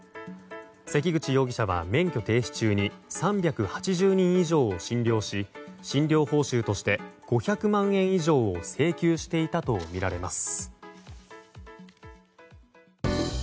関口容疑者は、免許停止中に３８０人以上を診療し診療報酬として５００万円以上を請求していたとみられます。